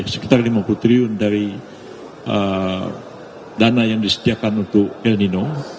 sekitar lima puluh triliun dari dana yang disediakan untuk el nino